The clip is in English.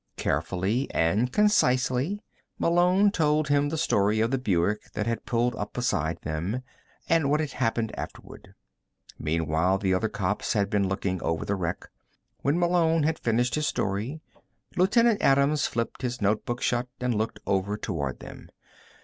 Carefully and concisely, Malone told him the story of the Buick that had pulled up beside them, and what had happened afterward. Meanwhile, the other cops had been looking over the wreck. When Malone had finished his story, Lieutenant Adams flipped his notebook shut and looked over toward them.